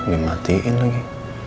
masuk dimatiin lagi